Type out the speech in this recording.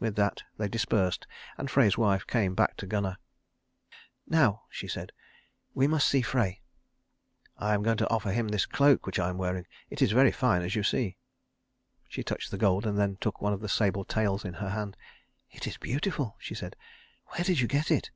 With that they dispersed, and Frey's wife came back to Gunnar. "Now," she said, "we must see Frey." "I am going to offer him this cloak which I am wearing. It is very fine, as you see." She touched the gold, and then took one of the sable tails in her hand. "It is beautiful," she said. "Where did you get it?"